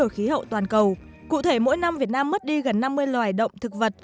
đổi khí hậu toàn cầu cụ thể mỗi năm việt nam mất đi gần năm mươi loài động thực vật